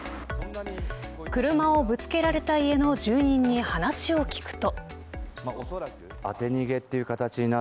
車をぶつけられた家の住人に話を聞くと。